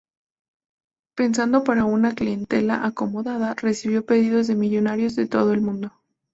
Pensado para una clientela acomodada, recibió pedidos de millonarios de todo el mundo.